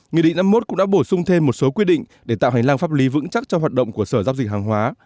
nghị định năm mươi một cũng đã bổ sung thêm một số quy định để tạo hành lang pháp lý vững chắc cho hoạt động của sở giao dịch hàng hóa